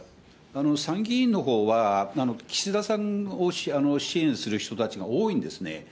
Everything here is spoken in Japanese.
参議院のほうは、岸田さんを支援する人たちが多いんですね。